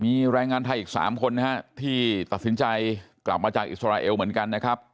มีแรงงานไทยอีก๓คนนะฮะที่ตัดสินใจกลับมาจากอิสราเอลเหมือนกันนะครับ